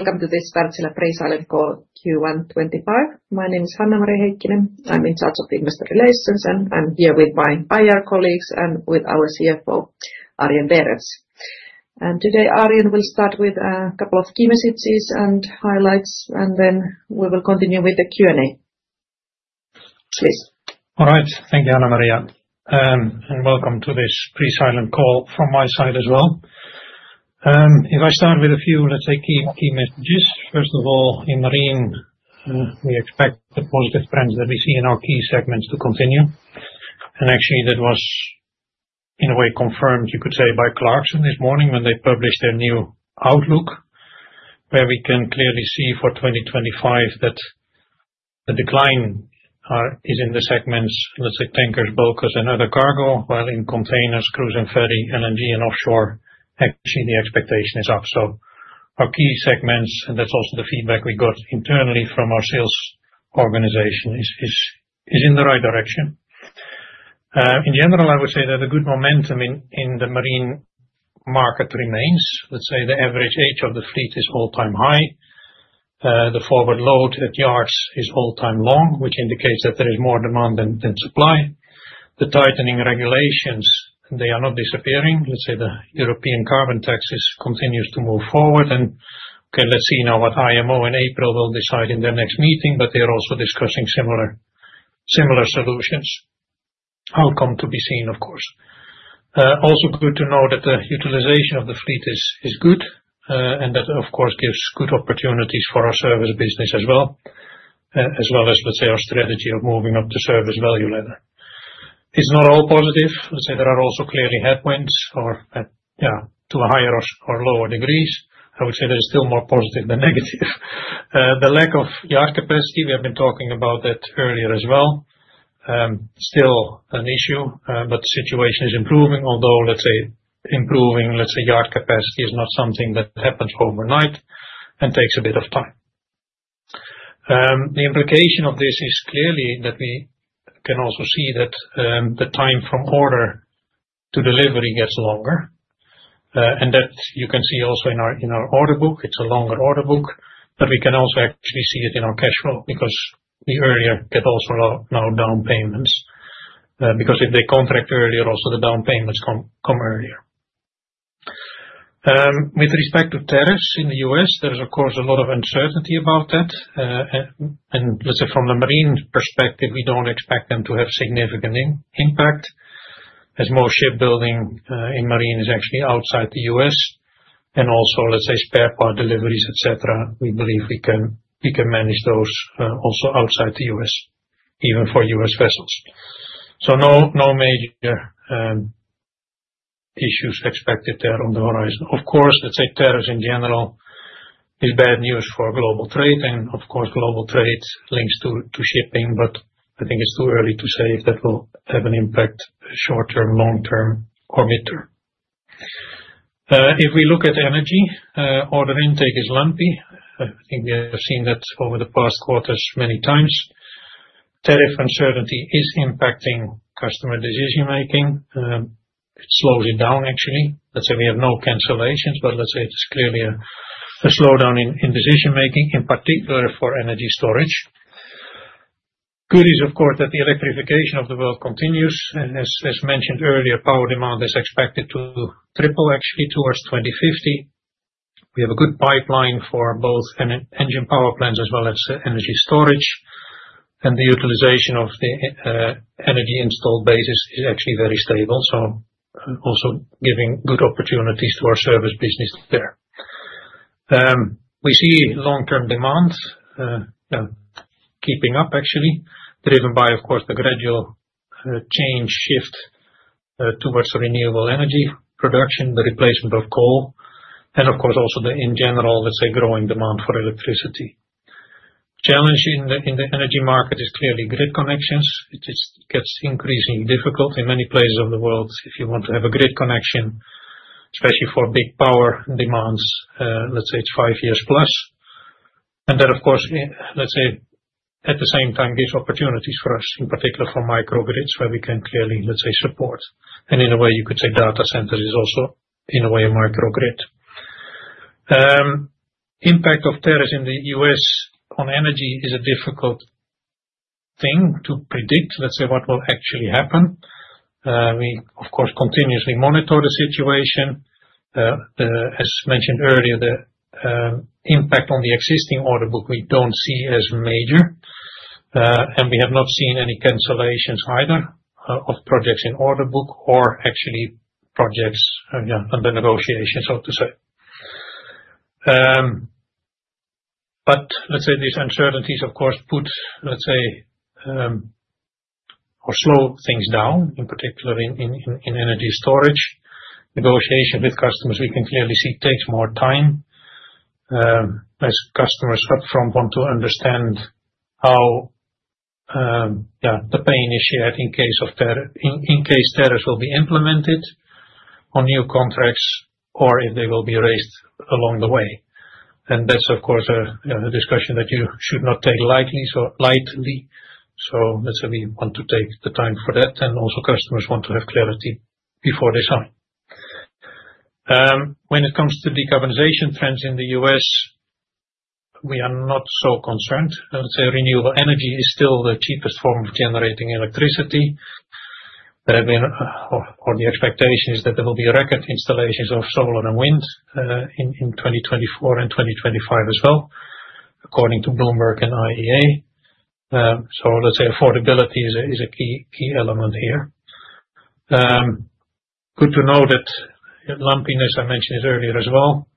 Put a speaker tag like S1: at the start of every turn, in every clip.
S1: Welcome to this Wärtsilä Pre-Silent Call Q1 2025. My name is Hanna-Maria Heikkinen. I'm in charge of the investor relations and I'm here with my IR colleagues and with our CFO, Arjen Berends. Today Arjen will start with a couple of key messages and highlights and then we will continue with the Q&A. Please.
S2: All right. Thank you, Hanna-Maria, and welcome to this pre-silent call from my side as well. If I start with a few, let's say key messages. First of all, in marine, we expect the positive trends that we see in our key segments to continue. Actually, that was in a way confirmed, you could say, by Clarksons this morning when they published their new outlook where we can clearly see for 2025 that the decline is in the segments, let's say, tankers, bulkers, and other cargo, while in containers, cruise and ferry, LNG, and offshore, actually the expectation is up. Our key segments, and that's also the feedback we got internally from our sales organization, is in the right direction. In general, I would say that a good momentum in the marine market remains. Let's say the average age of the fleet is all time high. The forward load at yards is all time long, which indicates that there is more demand than supply. The tightening regulations, they are not disappearing. Let's say the European carbon tax continues to move forward and let's see now what IMO in April will decide in their next meeting. They are also discussing similar solutions. Outcome to be seen, of course. Also good to know that the utilization of the fleet is good and that of course gives good opportunities for our service business as well as for sales strategy of moving up the service value ladder. It's not all positive, I'd say there are also clearly headwinds to a higher or lower degree. I would say there is still more positive than negative. The lack of yard capacity, we have been talking about that earlier as well. Still an issue, but the situation is improving. Although let's say improving, let's say yard capacity is not something that happens overnight and takes a bit of time. The implication of this is clearly that we can also see that the time from order to delivery gets longer and that you can see also in our order book, it's a longer order book, but we can also actually see it in our cash flow because we earlier get also now down payments because if they contract earlier, also the down payments come earlier. With respect to tariffs in the U.S., there is of course a lot of uncertainty about that, and let's say from the marine perspective we don't expect them to have significant impact as more shipbuilding in marine is actually outside the U.S., and also let's say spare part deliveries, et cetera. We believe we can manage those also outside the U.S. even for U.S. vessels. No major issues expected there on the horizon. Of course, let's say tariffs in general is bad news for global trade and of course global trade links to shipping. I think it's too early to say if that will have an impact short term, long term, or mid term. If we look at energy, order intake is lumpy. I think we have seen that over the past quarters many times. Tariff uncertainty is impacting customer decision making. Slowed it down actually, say we have no cancellations, but let's say it's clearly a slowdown in decision making, in particular for energy storage. Good is of course that the electrification of the world continues, and as mentioned earlier, power demand is expected to triple actually towards 2050. We have a good pipeline for both engine power plants as well as energy storage, and the utilization of the energy installed basis is actually very stable. Also giving good opportunities to our service business there. We see long term demands keeping up actually, driven by of course the gradual change, shift towards renewable energy production, the replacement of coal, and of course also the, in general, let's say, growing demand for electricity. Challenge in the energy market is clearly grid connections, gets increasingly difficult in many places of the world. If you want to have a grid connection, especially for big power demands, let's say it's five years plus. Of course, let's say at the same time, it gives opportunities for us in particular for microgrids where we can clearly, let's say, support and in a way you could say data center is also in a way a microgrid. Impa, ct of tariffs in the U.S. on energy is a difficult thing to predict, let's say, what will actually happen. We of course continuously monitor the situation. As mentioned earlier, the impact on the existing order book we don't see as major and we have not seen any cancellations either of projects in order book or actually projects under negotiations, so to say. Let's say these uncertainties of course put, let's say, or slow things down in particular in energy storage. Negotiation with customers we can clearly see takes more time as customers upfront want to understand how the pain is shared in case tariffs will be implemented on new contracts or if they will be raised along the way. That is of course a discussion that you should not take lightly. Let's say we want to take the time for that and also customers want to have clarity before they sign. When it comes to decarbonization trends in the U.S., we are not so concerned. Renewable energy is still the cheapest form of generating electricity, or the expectation is that there will be record installations of solar and wind in 2024 and 2025 as well, according to Bloomberg and IEA. Let's say affordability is a key element here. Good to know that lumpiness I mentioned earlier as well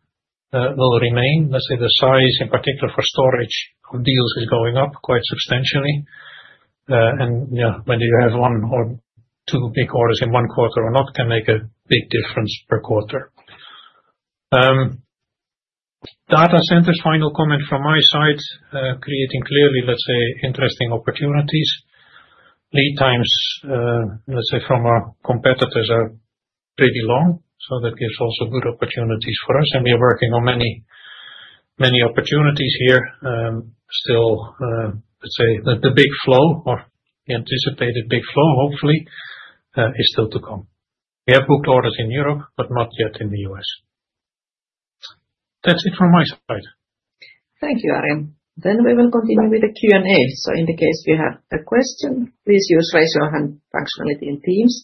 S2: will remain. Let's say the size in particular for storage of deals is going up quite substantially and when you have one or two big orders in one quarter or not can make a big difference per quarter. Data centers, final comment from my side, creating clearly let's say interesting opportunities. Lead times, let's say from our competitors, are pretty long. That gives also good opportunities for us and we are working on many, many opportunities here. Still, let's say the big flow or the anticipated big flow hopefully is still to come. We have booked orders in Europe but not yet in the U.S. That's it from my side.
S1: Thank you, Arjen. We will continue with the Q&A. In case you have a question, please use the raise your hand functionality in Teams,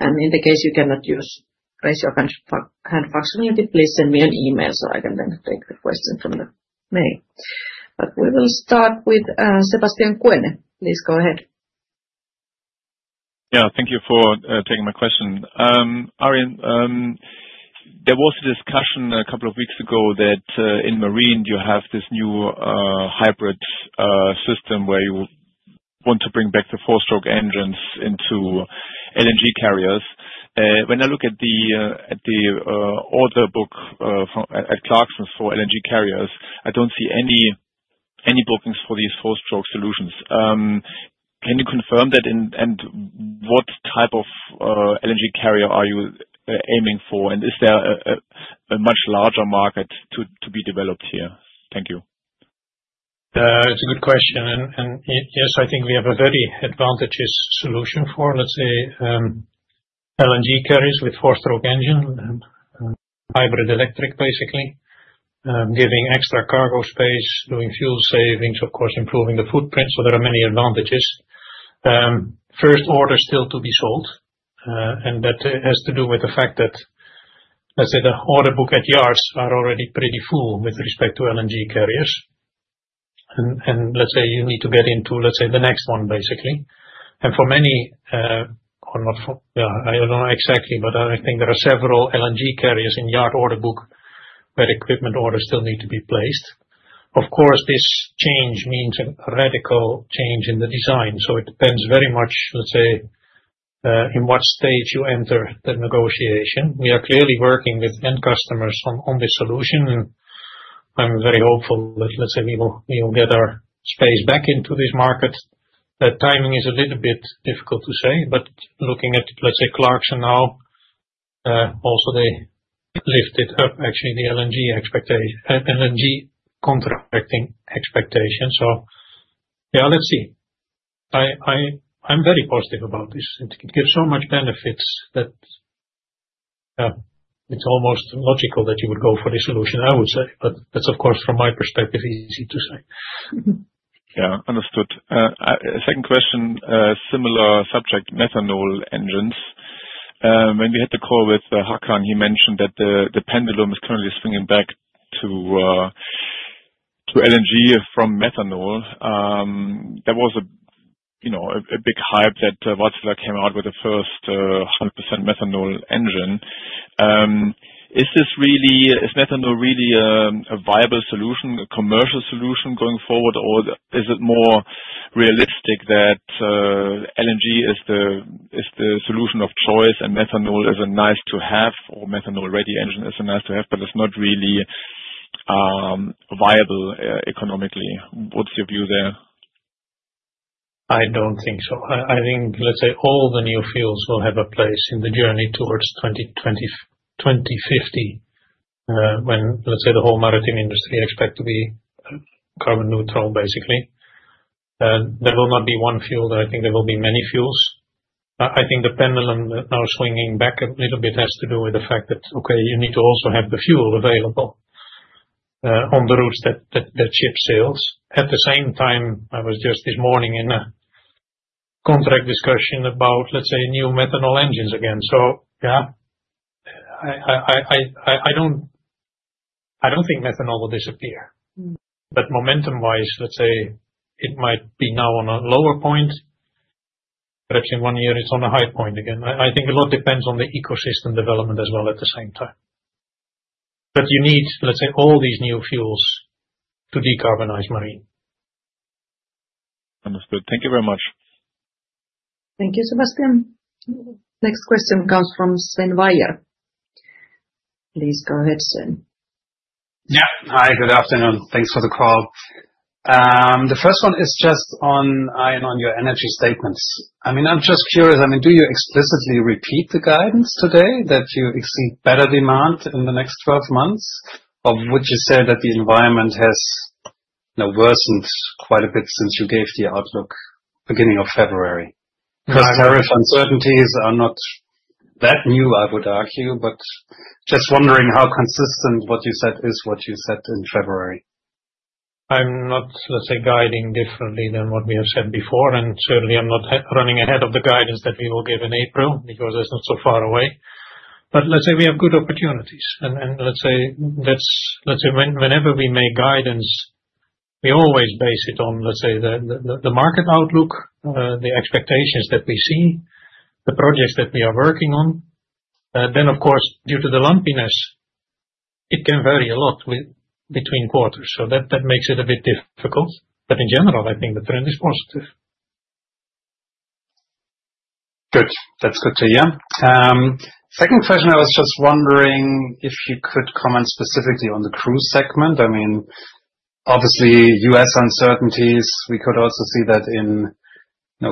S1: and in case you cannot use the raise your hand functionality. Please send me an email so I can then take the question from there. We will start with Sebastian Kuenne. Please go ahead.
S3: Yeah, thank you for taking my question. Arjen. There was a discussion a couple of weeks ago that in Marine you have this new hybrid system where you want to bring back the four-stroke engines into LNG carriers. When I look at the order book at Clarksons for LNG carriers I don't see any bookings for these four-stroke solutions. Can you confirm that and what type of LNG carrier are you aiming for and is there a much larger market to be developed here? Thank you.
S2: You. It's a good question and yes, I think we have a very advantageous solution for, let's say, LNG carriers with four-stroke engine and hybrid electric, basically giving extra cargo space, doing fuel savings, of course improving the footprint. There are many advantages. First order still to be sold and that has to do with the fact that, let's say, the order book at yards are already pretty full with respect to LNG carriers and, let's say, you need to get into, let's say, the next one basically and for many, I don't know exactly, but I think there are several LNG carriers in yard order book where equipment orders still need to be placed. Of course, this change means a radical change in the design. It depends very much, let's say, in what stage you enter the negotiation. We are clearly working with end customers on this solution and I'm very hopeful that let's say we will get our space back into this market. The timing is a little bit difficult to say, but looking at, let's say, Clarksons now also they lifted up actually the LNG contracting expectations. Yeah, let's see. I'm very positive about this. It gives so much benefits that it's almost logical that you would go for the solution. I would say, but that's of course from my perspective, easy to say.
S3: Yeah, understood. Second question. Similar subject, methanol engines. When we had the call with Håkan, he mentioned that the pendulum is currently swinging back to LNG from methanol. There was a, you know, a big hype that Wärtsilä came out with the first 100% methanol engine. Is this really, is methanol really a viable solution, a commercial solution going forward, or is it more realistic that LNG is the solution of choice and methanol is a nice to have or methanol ready engine is nice to have but it's not really viable economically. What's your view there?
S2: I don't think so. I think let's say all the new fuels will have a place in the journey towards 2050 when let's say the whole maritime industry expect to be carbon neutral. Basically there will not be one fuel. I think there will be many fuels. I think the pendulum now swinging back a little bit has to do with the fact that, okay, you need to also have the fuel available on the routes that that ship sails at the same time. I was just this morning in a contract discussion about let's say new methanol engines again. I don't think methanol will disappear. Momentum wise, let's say it might be now on a lower point, perhaps in one year, it's on a high point again. I think a lot depends on the ecosystem development as well at the same time. You need, let's say, all these new fuels to decarbonize marine.
S3: Understood. Thank you very much.
S1: Thank you, Sebastian. Next question comes from Sven Weier. Please go ahead Sven.
S4: Yeah. Hi, good afternoon. Thanks for the call. The first one is just on your energy statements. I mean, I'm just curious, I mean, do you explicitly repeat the guidance today that you exceed better demand in the next 12 months? Or would you say that the environment has worsened quite a bit since you gave the outlook beginning of February because tariff uncertainties are not that new, I would argue, but just wondering how consistent with what you said is what you said in. February.
S2: I'm not, let's say, guiding differently than what we have said before, and certainly I'm not running ahead of the guidance that we will give in April because it's not so far away. Let's say we have good opportunities, and let's say, let's say whenever we make guidance, we always base it on, let's say, the market outlook, the expectations that we see, the projects that we are working on. Of course, due to the lumpiness, it can vary a lot between quarters. That makes it a bit difficult. In general, I think the trend is positive.
S4: Good. That's good to hear. Second question, I was just wondering if you could comment specifically on the cruise segment. I mean obviously U.S. uncertainties, we could also see that in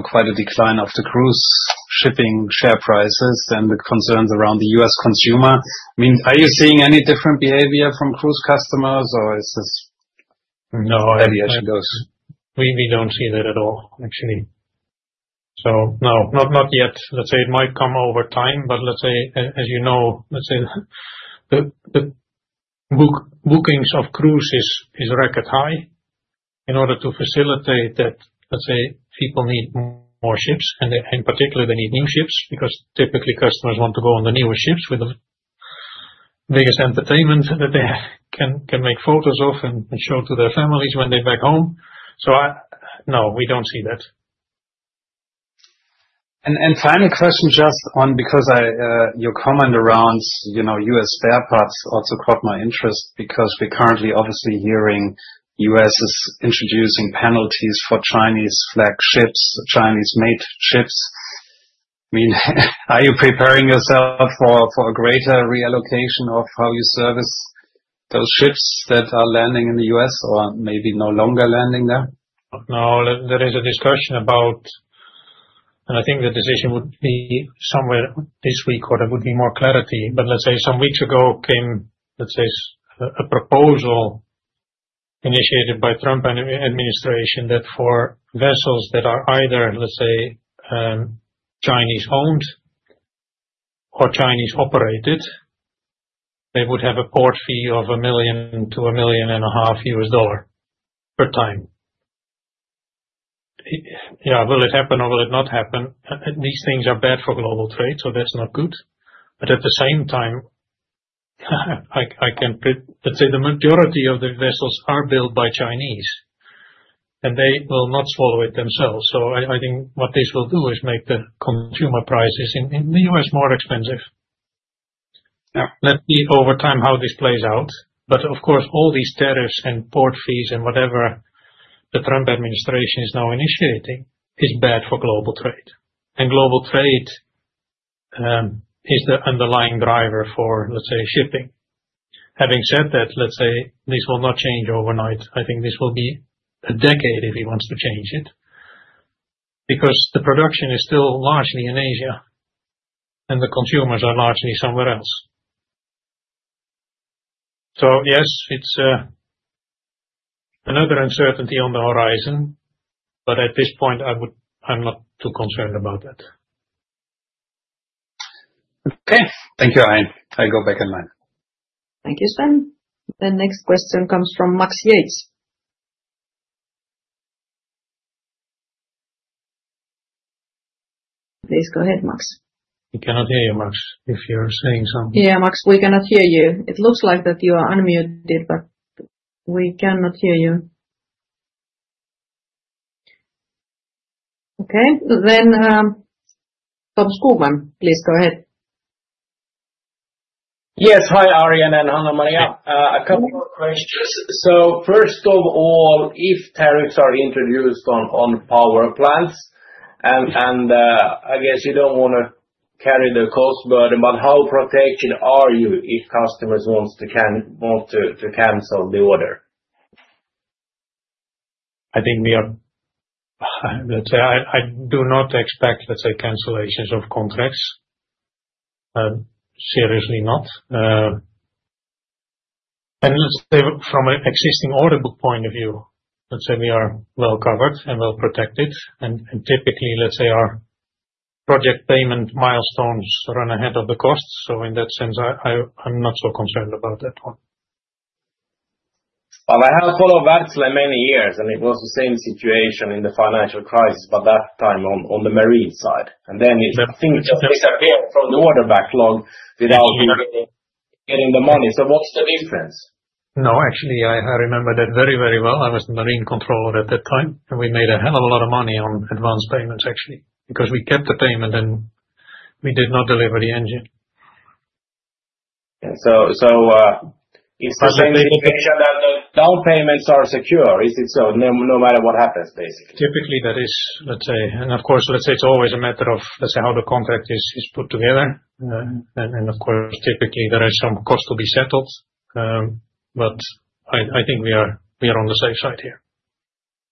S4: quite a decline of the cruise shipping share prices and the concerns around the U.S. consumer. I mean are you seeing any different behavior from cruise customers or is.
S2: No, we don't see that at all actually. No, not yet. It might come over time. As you know, the bookings of cruise is record high. In order to facilitate that, people need more ships and in particular they need new ships because typically customers want to go on the newer ships with the biggest entertainment that they can make photos of and show to their families when they back home. No, we don't see that.
S4: Final question just on because your comment around U.S. spare parts also caught my interest because we currently obviously hearing U.S. is introducing penalties for Chinese-flagged ships, Chinese made ships. I mean are you preparing yourself for a greater reallocation of how you service those ships that are landing in the U.S. or maybe no longer landing there?
S2: No, there is a discussion about and I think the decision would be somewhere this week or there would be more clarity. Let's say some weeks ago, there was a proposal initiated by the Trump administration that for vessels that are either, let's say, Chinese owned or Chinese operated, they would have a port fee of $1 million-$1.5 million per time. Yeah. Will it happen or will it not happen? These things are bad for global trade, so that's not good. At the same time, I can say the majority of the vessels are built by Chinese and they will not swallow it themselves. I think what this will do is make the consumer prices in the U.S. more expensive. Let's see over time how this plays out. Of course, all these tariffs and port fees and whatever the Trump administration is now initiating is bad for global trade. Global trade is the underlying driver for, let's say, shipping. Having said that, let's say this will not change overnight. I think this will be a decade if he wants to change it, because the production is still largely in Asia and the consumers are largely somewhere else. Yes, it's another uncertainty on the horizon. At this point, I'm not too concerned about it.
S4: Okay, thank you Arjen.
S1: Thank you, Sven. The next question comes from Max Yates. Please go ahead, Max.
S2: We cannot hear you. Max, if you're saying something.
S1: Yeah, Max we cannot hear you. It looks like that you are unmuted, but we cannot hear you. Okay, then Tom Skogman, please go ahead.
S5: Yes. Hi Arjen and Hanna-Maria, a couple more questions. First of all, if tariffs are introduced on power plants, and I guess you don't want to carry the cost burden, but how protected are you if customers want to cancel the order?
S2: I think we are, I do not expect, let's say, cancellations of contracts. Seriously not. Let's say from an existing order book point of view, let's say we are well covered and well protected. Typically, let's say our project payment milestones run ahead of the cost. In that sense, I'm not so concerned about that one.
S5: I have followed Wärtsilä many years and it was the same situation in the financial crisis, but that time on the marine side, and then I think it just disappeared from the Wärtsilä backlog without getting the money. What's the difference?
S2: No, actually I remember that very, very well. I was the marine controller at that time and we made a hell of a lot of money on advance payments, actually, because we kept the payment and we did not deliver the engine.
S5: Is it that the down payments are secure? Is it so no matter what happens basically?
S2: Typically that is, let's say. Of course, let's say it's always a matter of, let's say, how the contract is put together. Of course, typically there is some cost to be settled, but I think we are on the safe side here.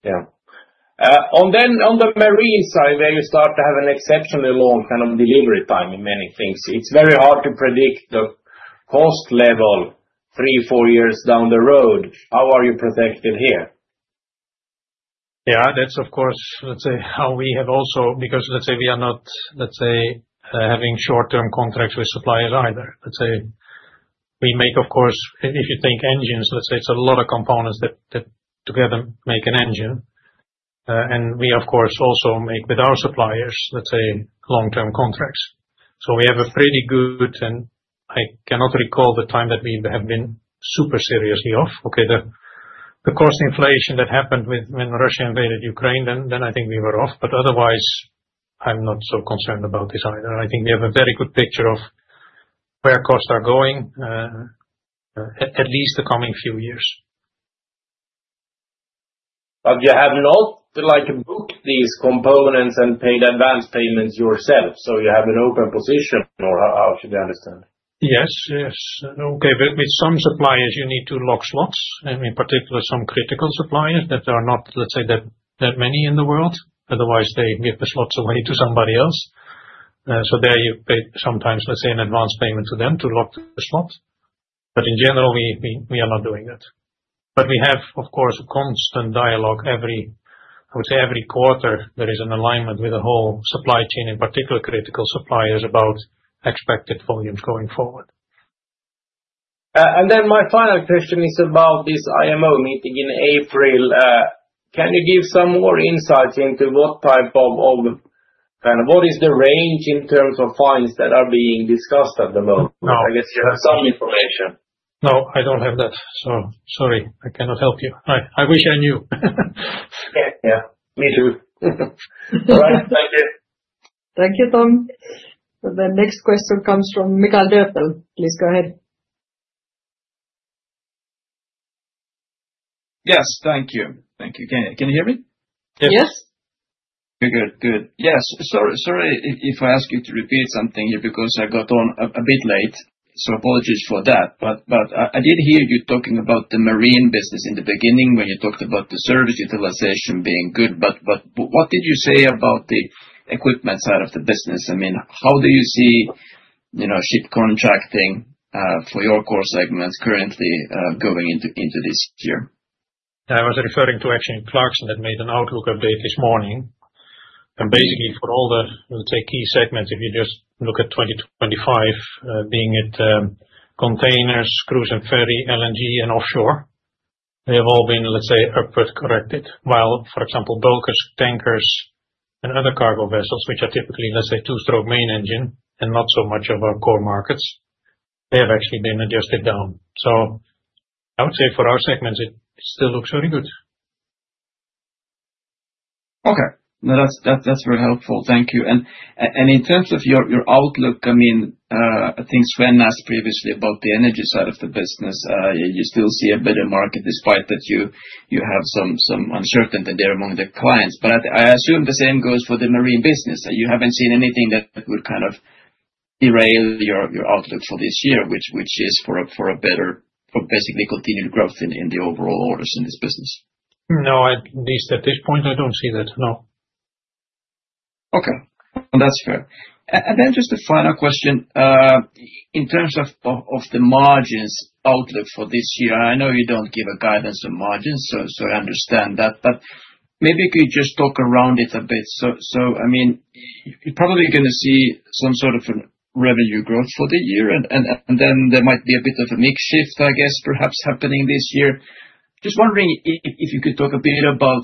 S5: Yeah. On the marine side, where you start to have an exceptionally long kind of delivery time in many things, it's very hard to predict the cost level three, four years down the road. How are you protected here?
S2: Yeah, that's of course, let's say how we have also because let's say we are not, let's say, having short term contracts with suppliers either. Let's say we make, of course, if you think engines, let's say it's a lot of components that together make an engine. And we of course also make with our suppliers, let's say long term contracts. So we have a pretty good. I cannot recall the time that we have been super seriously off. Okay, the cost inflation that happened with, when Russia invaded Ukraine. I think we were off, but otherwise I'm not so concerned about this either. I think we have a very good picture of where costs are going at least the coming few years.
S5: You have not like book these components and paid advance payments. You have an open position or how should you understand?
S2: Yes, yes, okay. With some suppliers you need to lock slots and in particular some critical suppliers that there are not, let's say, that many in the world, otherwise they give the slots away to somebody else. There you pay sometimes, let's say, an advance payment to them to lock the slots. In general we are not doing that. We have, of course, constant dialogue every, I would say every quarter there is an alignment with the whole supply chain, in particular critical suppliers, about expected volumes going forward.
S5: My final question is about this IMO meeting in April. Can you give some more insight into what type of, what is the range in terms of fines that are being discussed at the moment? I guess you have some information.
S2: No, I don't have that. Sorry, I cannot help you. I wish I knew.
S5: Yeah, me too. All right, thank you.
S1: Thank you, Tom. The next question comes from Mikael Doepel. Please go ahead.
S6: Yes, thank you. Thank you. Can you hear me?
S1: Yes.
S6: Good. Good. Yes, sorry, sorry if I ask you to repeat something here because I got on a bit late. Apologies for that. I did hear you talking about the marine business in the beginning when you talked about the service utilization being good. What did you say about the equipment side of the business? I mean, how do you see, you know, ship contracting for your core segments currently going into this.
S2: I was referring to, actually, Clarksons, that made an outlook update this morning. Basically, for all the key segments, if you just look at 2025, being containers, cruise and ferry, LNG and offshore, they have all been, let's say, upward corrected. For example, bulkers, tankers and other cargo vessels, which are typically, let's say, two-stroke main engine and not so much of our core markets, they have actually been adjusted down. I would say for our segments, it still looks very good.
S6: Okay, that's very helpful. Thank you. In terms of your outlook, I mean, I think Sven asked previously about the energy side of the business. You still see a better market despite that you have some uncertainty there among the clients. I assume the same goes for the marine business. You have not seen anything that would kind of derail your outlook for this year, which is basically continued growth in the overall orders in this business?
S2: No. At least at this point, I don't see that. No.
S6: Okay, that's fair. Just a final question. In terms of the margins outlook for this year, I know you don't give a guidance on margins, so I understand that, but maybe could you just talk around it a bit? I mean, you're probably going to see some sort of revenue growth for the year and then there might be a bit of a mix shift, I guess, perhaps happening this year. Just wondering if you could talk a bit about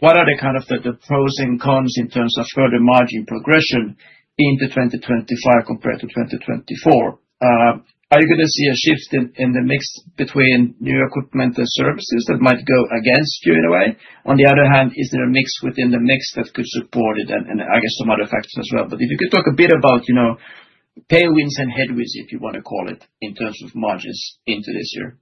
S6: what are the kind of the pros and cons in terms of further margin progression into 2025 compared to 2024. Are you going to see a shift in the mix between new equipment and services that might go against you in a way? On the other hand, is there a mix within the mix that could support it and I guess some other factors as well. If you could talk a bit about tailwinds and headwinds, if you want to call it in terms ofmargins into this year.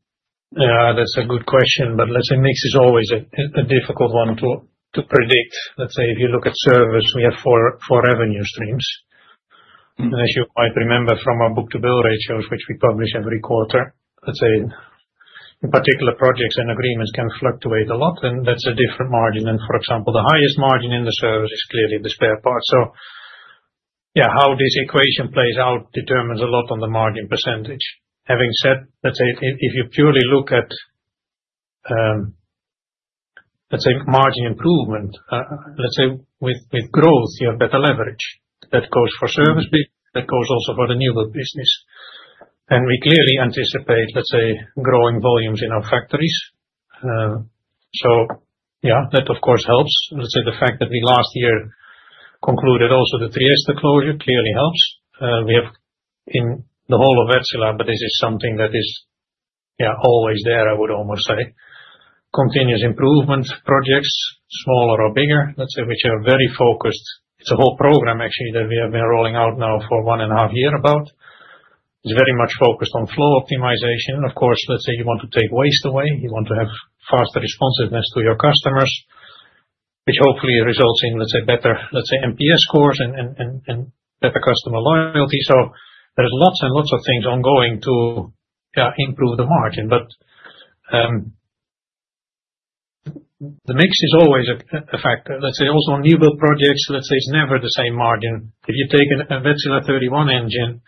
S2: That's a good question. Mix is always a difficult one to predict. If you look at service, we have four revenue streams. As you might remember from our book to bill ratios, which we publish every quarter, in particular, projects and agreements can fluctuate a lot. That is a different margin. For example, the highest margin in the service is clearly the spare part. How this equation plays out determines a lot on the margin percentage. Having said that, if you purely look at margin improvement, with growth you have better leverage. That goes for service, that goes also for renewable business. We clearly anticipate growing volumes in our factories. That of course helps. Let's say the fact that we last year concluded also the Trieste closure clearly helps. We have in the whole of Wärtsilä. This is something that is always there, I would almost say continuous improvement projects, smaller or bigger, let's say, which are very focused. It's a whole program actually that we have been rolling out now for one and a half year about. It's very much focused on flow optimization. Of course, let's say you want to take waste away, you want to have faster responsiveness to your customers which hopefully results in, let's say, better, let's say, NPS scores and better customer loyalty. There are lots and lots of things ongoing to improve the margin. The mix is always a factor, let's say, also on new build projects, let's say, it's never the same margin. If you take a 31 engine,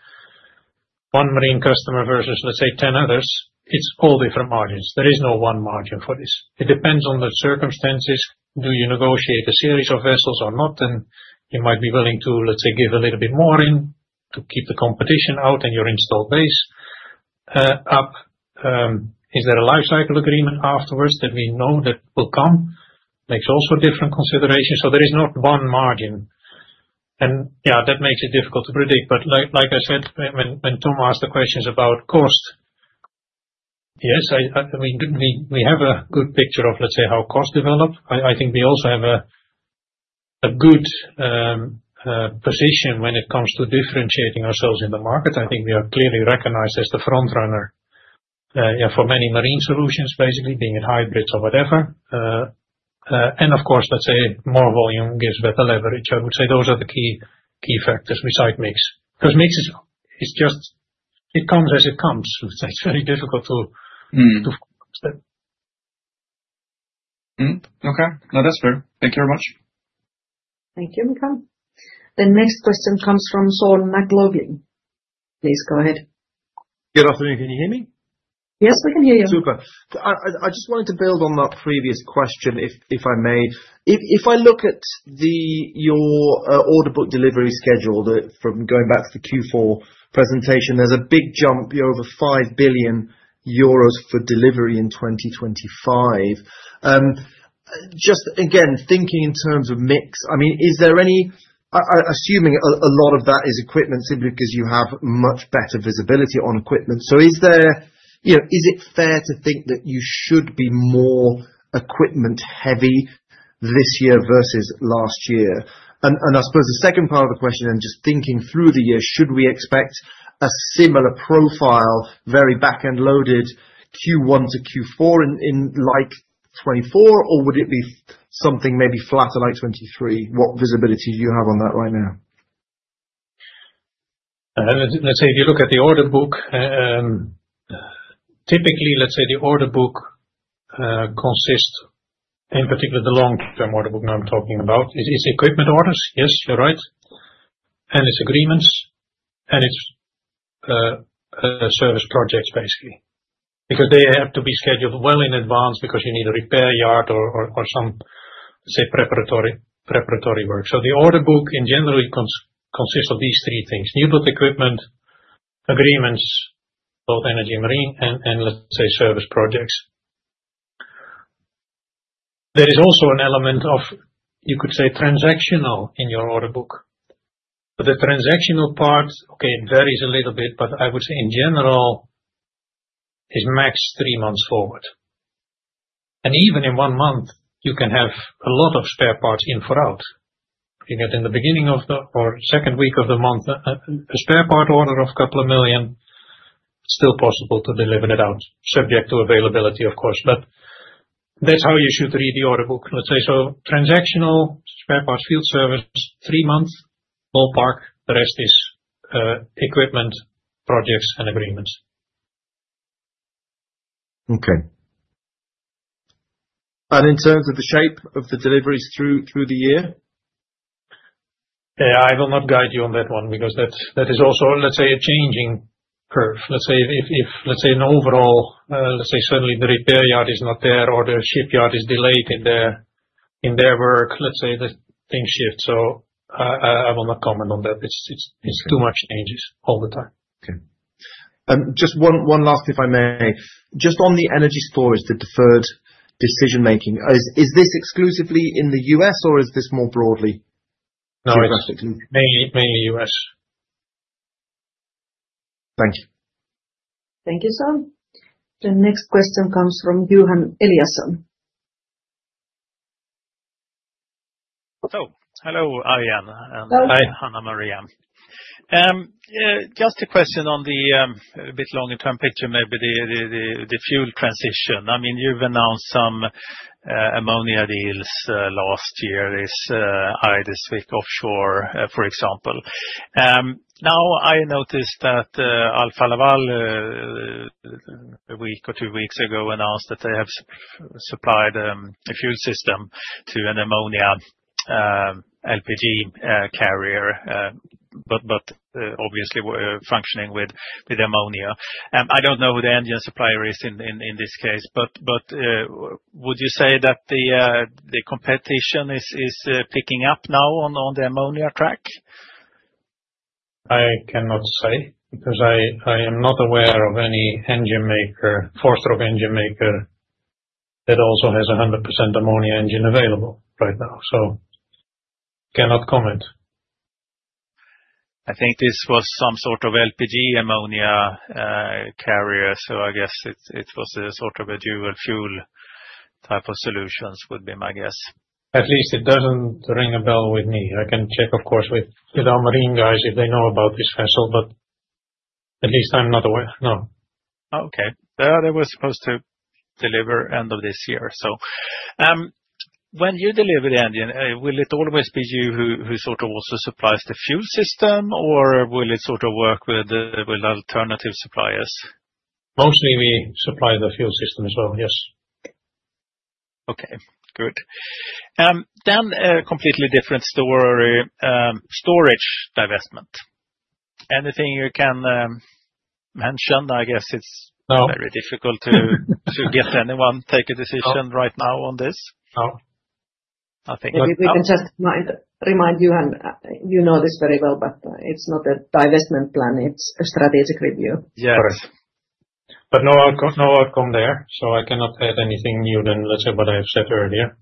S2: one Marine customer versus let's say 10 others, it's all different margins. There is no one margin for this. It depends on the circumstances. Do you negotiate a series of vessels or not? You might be willing to, let's say, give a little bit more in to keep the competition out and your installed base up. Is there a lifecycle agreement afterwards that we know that will come makes also different considerations. There is not one margin. That makes it difficult to predict. Like I said when Tom asked the questions about cost, yes, we have a good picture of, let's say, how cost develop. I think we also have a good position when it comes to differentiating ourselves in the market. I think we are clearly recognized as the front runner for many marine solutions, basically being in hybrids or whatever. Of course, let's say more volume gives better leverage. I would say those are the key factors. We cite mix because mix is, it's just, it comes as it comes, so it's very difficult to.
S6: Okay, now that's fair. Thank you very much.
S1: Thank you, Mikael. The next question comes from Sean McLoughlin. Please go ahead.
S7: Good afternoon, can you hear me?
S1: Yes, we can hear you.
S7: I just wanted to build on that previous question, if I may. If I look at your order book delivery schedule, from going back to the Q4 presentation, there's a big jump, over 5 billion euros for delivery in 2025. Just again, thinking in terms of mix, I mean, is there any assuming a lot of that is equipment simply because you have much better visibility on equipment. Is it fair to think that you should be more equipment heavy this year versus last year? I suppose the second part of the question, just thinking through the year, should we expect a similar profile, very back end loaded Q1 to Q4 in 2024, or would it be something maybe flatter like 2023? What visibility do you have on that right.
S2: Now, let's say if you look at the order book. Typically, let's say the order book consists of, in particular, the long term order book I'm talking about. It's equipment orders, yes, you're right, and it's agreements, and it's service projects, basically because they have to be scheduled well in advance because you need a repair yard or some, say, preparatory work. So the order book in general consists of these three things: newbuild equipment, agreements, both energy, marine, and, let's say, service projects. There is also an element of, you could say, transactional in your order book. The transactional part, okay, it varies a little bit, but I would say in general is max three months forward and even in one month you can have a lot of spare parts in for out you get in the beginning of the or second week of the month a spare part order of a couple of million. Still possible to deliver it out, subject to availability of course. That is how you should read the order book, let's say. Transactional spare parts, field service, three months, ballpark. The rest is equipment projects and agreements.
S7: Okay. In terms of the shape of the deliveries through the year.
S2: I will not guide you on that one because that is also, let's say, a changing curve, let's say, overall. Let's say suddenly the repair yard is not there or the shipyard is delayed in their work. Let's say the thing shifts. I will not comment on that. It's too much changes all the time.
S7: Just one last, if I may just on the energy storage, the deferred decision making. Is this exclusively in the U.S. or is this more broadly?
S2: Mainly U.S.
S7: Thank you.
S1: Thank you, sir. The next question comes from Johan Eliason.
S8: Hello, Arjen. Hi Hanna-Maria. Just a question on the bit longer term picture, maybe the fuel transition. I mean you've announced some ammonia deals last year, is this week offshore, for example. Now I noticed that Alfa Laval a week or two weeks ago announced that they have supplied a fuel system to an ammonia LPG carrier. Obviously we're functioning with ammonia. I don't know who the engine supplier is in this case, but would you say that the competition is picking up now on the ammonia track?
S2: I cannot say because I am not aware of any engine maker, four-stroke engine maker that also has 100% ammonia engine available right now, so cannot comment.
S8: I think this was some sort of LPG ammonia carrier. I guess it was sort of a dual fuel type of solutions would be my guess.
S2: At least it doesn't ring a bell with me. I can check of course with our marine guys if they know about this vessel, but at least I'm not aware. No.
S8: Okay. They were supposed to deliver end of this year. When you deliver the engine, will it always be you who sort of also supplies the fuel system. Will it sort of work with alternative suppliers?
S2: Mostly we supply the fuel system as well. Yes.
S8: Okay. Good. And then a completely different story. Storage, divestment, anything you can mention. I guess it's very difficult to get anyone take a decision right now on this.
S1: We can just remind you and you know this very well, but it's not a divestment plan. It's a strategic review.
S2: Yes, but no outcome there. I cannot add anything new than let's say what I have said earlier.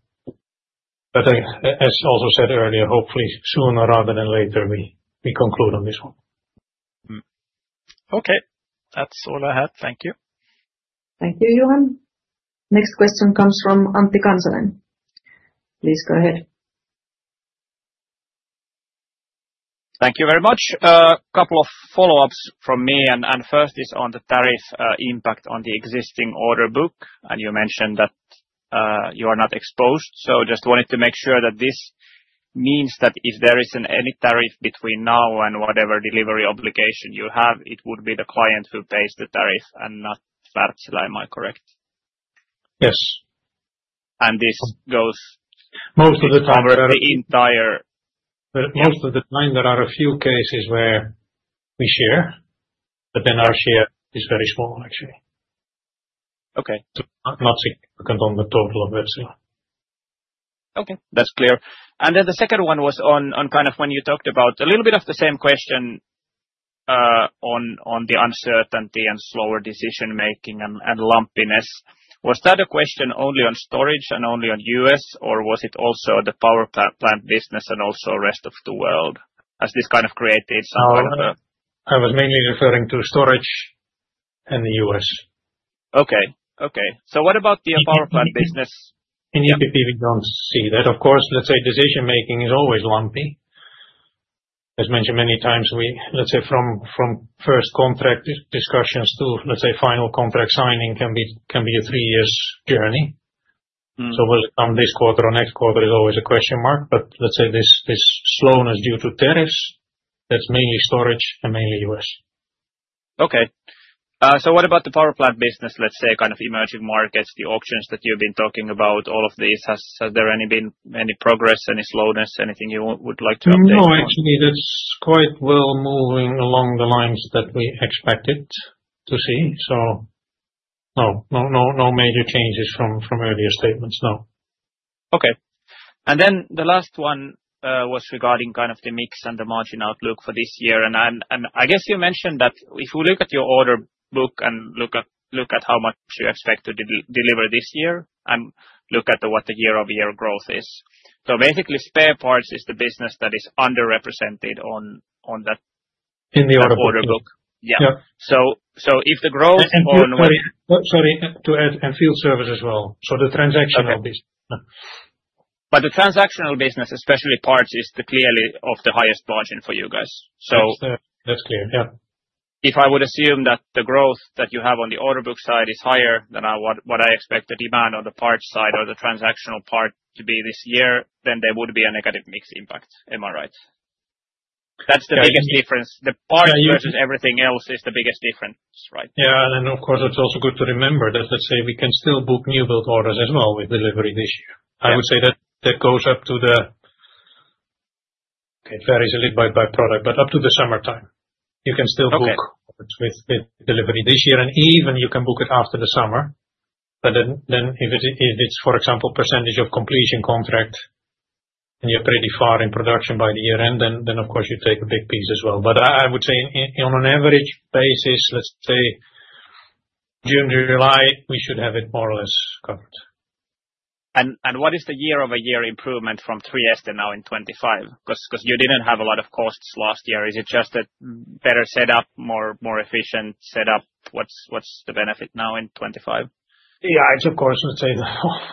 S2: As also said earlier, hopefully sooner rather than later, we conclude on this one.
S8: Okay, that's all I had. Thank you.
S1: Thank you, Johan. Next question comes from Antti Kansanen. Please go ahead.
S9: Thank you very much. A couple of follow ups from me. First is on the tariff impact on the existing order book and you mentioned that you are not exposed. I just wanted to make sure that this means that if there is any tariff between now and whatever delivery obligation you have, it would be the client who pays the tariff and not Wärtsilä. Am I correct?
S2: Yes.
S9: This goes.
S2: Most of the, most of the time there are a few cases where we share, but then our share is very small actually.
S9: Okay.
S2: Not significant on the total of epsilon.
S9: Okay, that's clear. The second one was on kind of when you talked about a little bit of the same question on the uncertainty and slower decision making and lumpiness. Was that a question only on storage and only on U.S., or was it also the power plant business and also rest of the world? Has this kind of created some.
S2: No. I was mainly referring to storage in the U.S.
S9: Okay. Okay. What about the power plant business?
S2: In MPP, We don't see that. Of course, let's say decision making is always lumpy. As mentioned many times, we, let's say, from first contract discussions to, let's say, final contract signing can be a three years journey. Will it come this quarter or next quarter is always a question mark. Let's say this slowness due to tariffs, that's mainly storage and mainly in U.S.
S9: Okay, so what about the power plant business, let's say kind of emerging markets, the auctions that you've been talking about, all of these, has there any been any progress, any slowness, anything you would like to update?
S2: No, actually that's quite well moving along the lines that we expected to see. No major changes from earlier statements? No.
S9: Okay. The last one was regarding kind of the mix and the margin outlook for this year. I guess you mentioned that if we look at your order book and look at how much you expect to deliver this year and look at what the year over year growth is. Basically, spare parts is the business that is underrepresented on that in the order book.
S2: Yeah.
S9: If the growth.
S2: Sorry to add field service as well. The transactional.
S9: The transactional business, especially parts, is clearly of the highest margin for you Guys.
S2: That's clear. Yeah.
S9: If I would assume that the growth that you have on the order book side is higher than I, what, what I expect the demand on the parts side or the transactional part to be this year, then there would be a negative mix impact. Am I right? That's the biggest difference. The part versus everything else is the biggest difference.
S2: Right? Yeah. Of course it's also good to remember that, let's say, we can still book new build orders as well with delivery this year. I would say that goes up to the—it varies a little bit by product, but up to the summertime you can still book with delivery this year, and even you can book it after the summer. If it's, for example, percentage of completion contract and you're pretty far in production by the year end, then of course you take a big piece as well. I would say on an average basis, let's say June, July, we should have it more or less covered.
S9: What is the year-over-year improvement from Trieste to now in 2025, because you did not have a lot of costs last year? Is it just a better setup, more efficient setup? What is the benefit now in 2025?
S2: Yeah, it's of course, let's say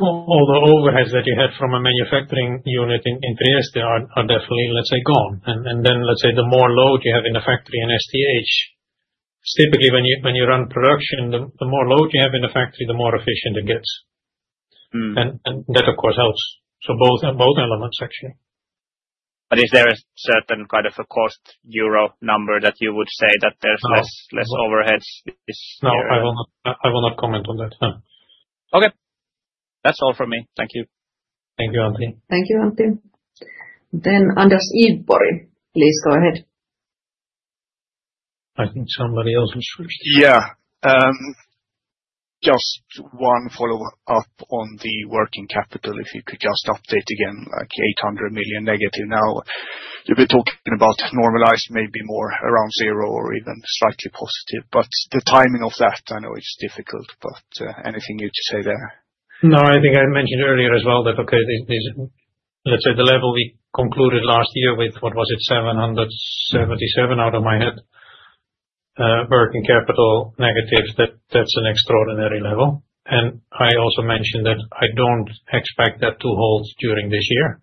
S2: all the overheads that you had from a manufacturing unit in Trieste are definitely, let's say, gone. Let's say the more load you have in the factory in STH, typically when you run production, the more load you have in the factory, the more efficient it gets. That of course helps. Both elements actually.
S9: Is there a certain kind of a cost euro number that you would say that there's less, less overheads?
S2: No, I will not comment on that.
S9: Okay, that's all from me. Thank you.
S2: Thank you Antti.
S1: Thank you, Anthony. Anders Idborg. Please go ahead.
S2: I think somebody else was first.
S10: Yeah, just one follow up on the working capital. If you could just update again like 800 million negative. Now you'll be talking about normalized, maybe more around zero or slightly positive. The timing of that, I know it's difficult but anything new to say.
S2: No, I think I mentioned earlier as well that, okay, let's say the level we concluded last year with, what was it, 777 out of my head, working capital negative, that that's an extraordinary level. I also mentioned that I don't expect that to hold during this year.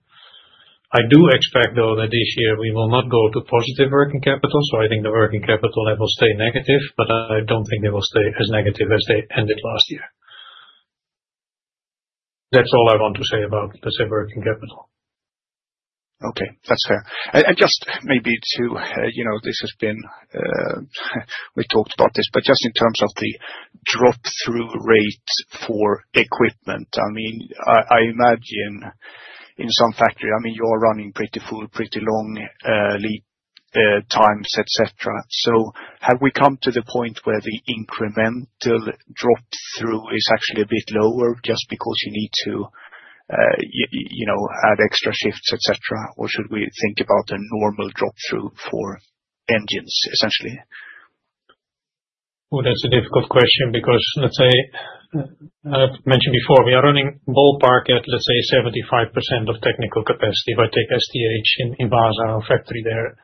S2: I do expect though that this year we will not go to positive working capital. I think the working capital level stays negative but I don't think it will stay as negative as they ended last year. That's all I want to say about, let's say, working capital.
S10: Okay, that's fair. And just maybe to, you know, this has been, we talked about this. But just in terms of the drop through rate for equipment, I mean I imagine in some factory, I mean you are running pretty full, pretty long lead times, etc. So have we come to the point where the incremental drop through is actually a bit lower just because you need to, you know, add extra shifts, etc. Or should we think about a normal drop through for engines essentially.
S2: That's a difficult question because let's say I mentioned before we are running ballpark at let's say 75% of technical capacity. If I take STH in Vaasa, our factory there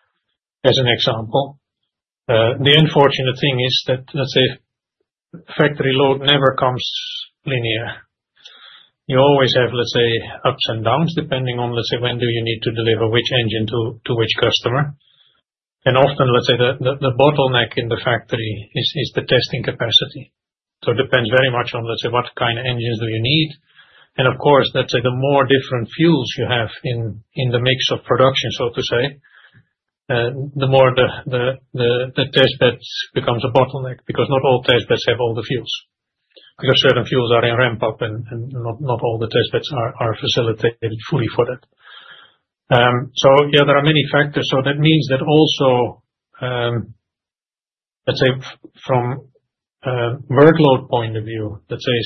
S2: as an example. The unfortunate thing is that let's say factory load never comes linear. You always have let's say ups and downs depending on, let's say when do you need to deliver which engine to which customer. Often, let's say the bottleneck in the factory is the testing capacity. It depends very much on, let's say, what kind of engines do you need. Of course, the more different fuels you have in the mix of production, so to say, the more the testbeds become a bottleneck because not all testbeds have all the fuels, because certain fuels are in ramp up and not all the testbeds are facilitated fully for that. Yeah, there are many factors. That means that also, let's say from workload point of view,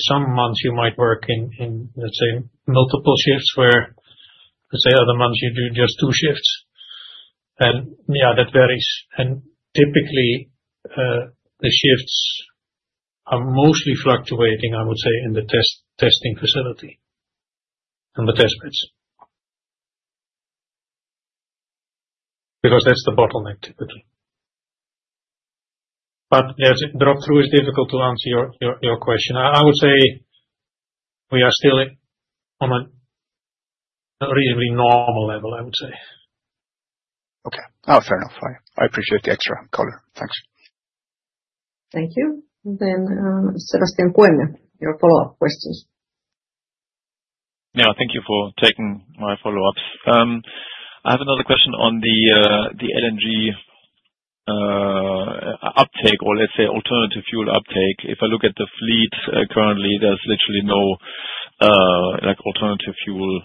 S2: some months you might work in, let's say, multiple shifts where other months you do just two shifts. That varies and typically the shifts are mostly fluctuating, I would say, in the testing facility and the test beds because that's the bottleneck typically. Yes, drop through is difficult. To answer your question, I would say we are still on a reasonably normal level. I would say.
S10: Okay, fair enough. I appreciate the extra color. Thanks.
S1: Thank you. Sebastian Kuenne, your follow up questions.
S3: Yeah, thank you for taking my follow ups. I have another question on the LNG uptake or let's say alternative fuel uptake. If I look at the fleet currently, there's literally no like alternative fuel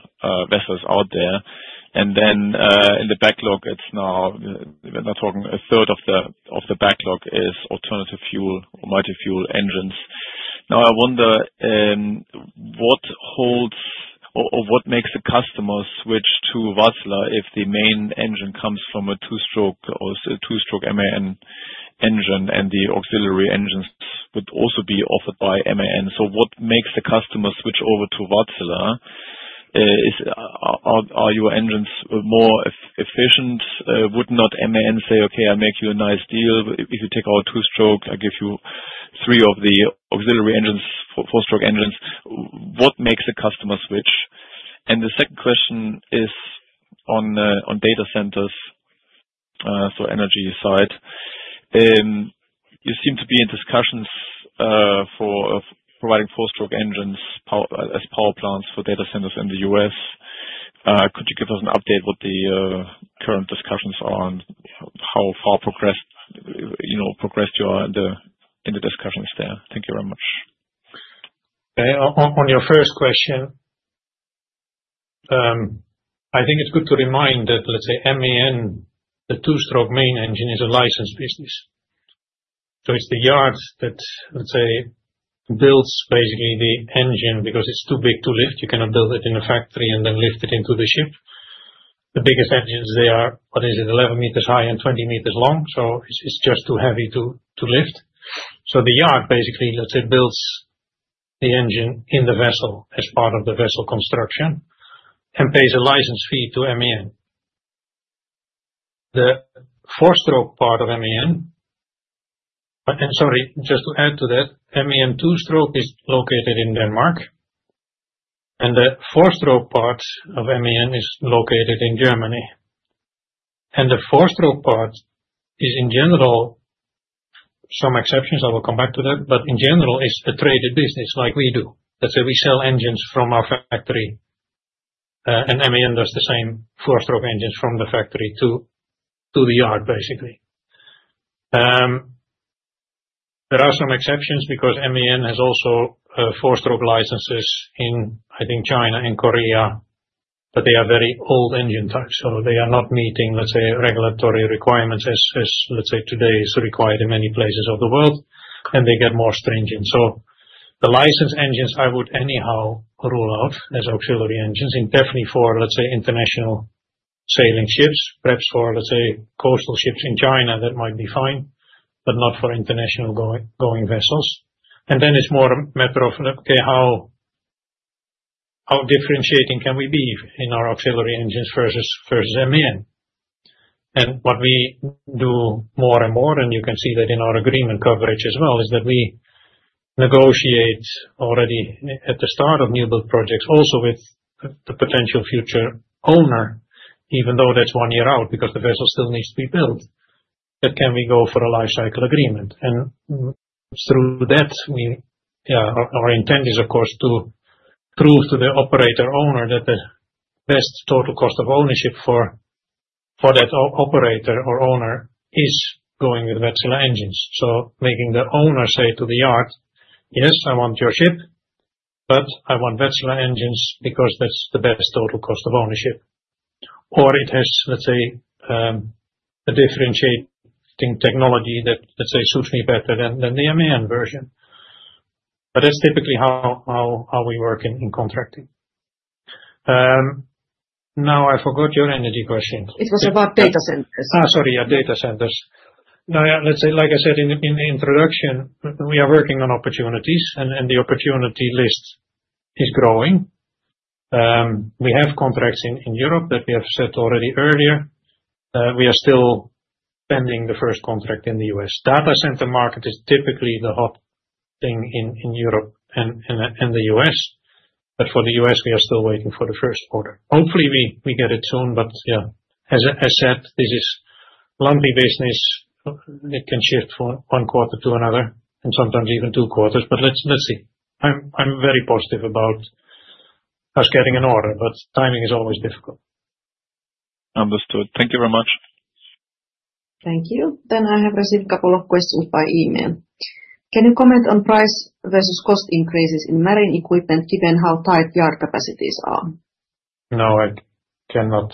S3: vessels out there. In the backlog, it's now a third of the backlog is alternative fuel multi fuel engines. I wonder what holds or what makes the customer switch to Wärtsilä. If the main engine comes from a two-stroke or two-stroke MAN engine and the auxiliary engines would also be offered by MAN, what makes the customer switch over to Wärtsilä? Are your engines more efficient? Would not MAN say, okay, I make you a nice deal. If you take our two-stroke, I give you three of the auxiliary engines, four-stroke engines, what makes the customer switch? The second question is on data centers energy side, you seem to be in discussions for providing four-stroke engines as power plants for data centers in the U.S. Could you give us an update what the current discussions are and how far progressed, you know, progressed you are in the discussions there. Thank you very much.
S2: On your first question, I think it's good to remind that let's say MAN, the two-stroke main engine, is a licensed business. It's the yard that, let's say, builds basically the engine because it's too big to lift. You cannot build it in a factory and then lift it into the ship. The biggest engines, they are, what is it, 11 meters high and 20 meters long. It's just too heavy to lift. The yard basically, let's say, builds the engine in the vessel as part of the vessel construction and pays a license fee to, mention the four-stroke part of MAN. Sorry, just to add to that, MAN two-stroke is located in Denmark and the four-stroke part of MAN is located in Germany, and the four-stroke part is in general, some exceptions. I will come back to that. In general, it is a traded business like we do. Let's say we sell engines from our factory and MAN does the same four-stroke engines from the factory to the yard. Basically, there are some exceptions because MAN has also four-stroke licenses in, I think, China and Korea. They are very old engine types, so they are not meeting, let's say, regulatory requirements as, let's say, today is required in many places of the world and they get more stringent. The license engines I would anyhow rule out as auxiliary engines definitely for, let's say, international sailing ships. Perhaps for, let's say, coastal ships in China, that might be fine, but not for international going vessels. It is more a matter of okay, how differentiating can we be in our auxiliary engines versus MAN and what we do more and more, and you can see that in our agreement coverage as well, is that we negotiate already at the start of new build projects also with the potential future owner, even though that is one year out, because the vessel still needs to be built, that can we go for a lifecycle agreement. Through that, our intent is of course to prove to the operator owner that the best total cost of ownership for that operator or owner is going with Wärtsilä engines. Making the owner say to the yard, yes, I want your ship, but I want Wärtsilä engines because that is the best total cost of ownership. It has, let's say, a differentiating technology that, let's say, suits me better than the MAN version. That's typically how we work in contracting. Now I forgot your energy question.
S1: It was about data centers.
S2: Sorry, data centers. Now, like I said in the introduction, we are working on opportunities and the opportunity list is growing. We have contracts in Europe that we have said already earlier. We are still pending the first contract in the U.S. Data center market is typically the hot thing in Europe and the U.S., but for the U.S. we are still waiting for the first quarter. Hopefully we get it soon. As I said, this is lumpy business. It can shift from one quarter to another and sometimes even two quarters. Let's see, I am very positive about us getting an order, but timing is always difficult.
S3: Understood. Thank you very much.
S1: Thank you. I have received a couple of questions by email. Can you comment on price versus cost increases in marine equipment given how tight yard capacities are?
S2: No, I cannot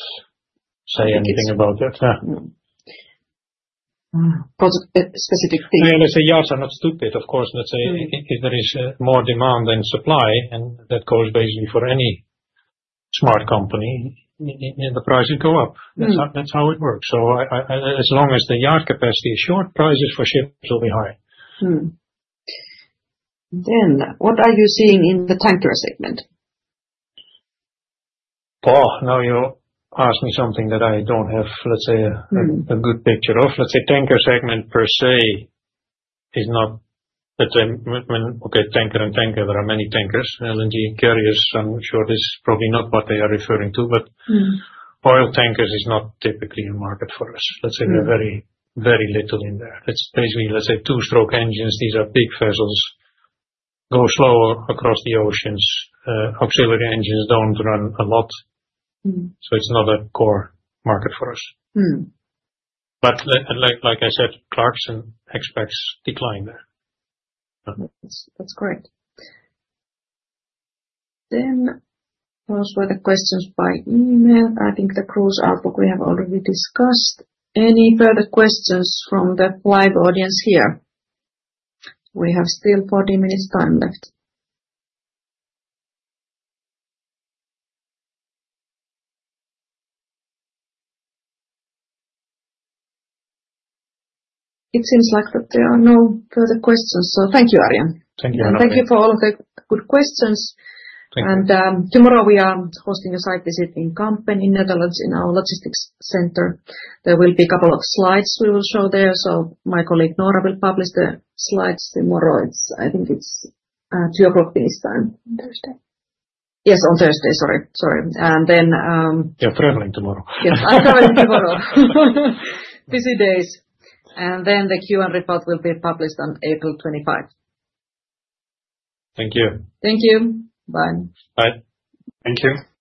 S2: say anything about.
S1: That specific thing.
S2: LSA yards are not stupid. Of course. Let's say if there is more demand than supply, and that goes basically for any smart company, the prices go up. That's how it works. As long as the yard capacity is short, prices for ships will be hard.
S1: What are you seeing in the tanker segment?
S2: You asked me something that I don't have. Let's say a good picture of, let's say, tanker segment per se is not the same when, okay, tanker and tanker, there are many tankers, LNG carriers. I'm sure this is probably not what they are referring to, but oil tankers is not typically a market for us. Let's say we're very, very little in there. It's basically, let's say, two-stroke engines. These are big vessels, go slower across the oceans. Auxiliary engines don't run a lot. It's not a core market for us. Like I said, Clarksons expects decline there.
S1: That's great. Then, those were the questions by Nick. I think the cruise outlook we have already discussed. Any further questions from the live audience here? We have still 40 minutes time left. It seems like that there are no further questions. Thank you Arjen.
S2: Thank you.
S1: Thank you for all of the good questions. Tomorrow we are hosting a site visit in the Kampen, Netherlands in our logistics center. There will be a couple of slides we will show there. My colleague Nora will publish the slides tomorrow. I think it's 2:00 P.M. Finnish time.
S11: Thursday.
S1: Yes, on Thursday. Sorry, sorry.
S2: Yeah, traveling tomorrow.
S1: Yes, I'm traveling tomorrow. Busy days. The Q and A report will be published on April 25th.
S2: Thank you.
S1: Thank you. Bye.
S2: Bye. Thank you.